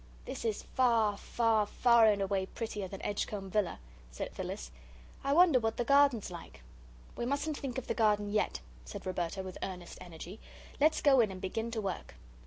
"This is far, far, far and away prettier than Edgecombe Villa," said Phyllis. "I wonder what the garden's like." "We mustn't think of the garden yet," said Roberta, with earnest energy. "Let's go in and begin to work."